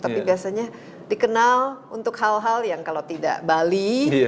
tapi biasanya dikenal untuk hal hal yang kalau tidak bali